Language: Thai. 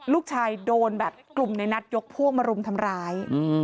ลูกชายโดนแบบกลุ่มในนัดยกพวกมารุมทำร้าย